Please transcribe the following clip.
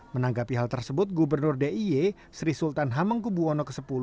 menanggapi hal tersebut gubernur d i e sri sultan hamengkubuwono x